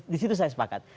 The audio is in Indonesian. di situ saya sepakat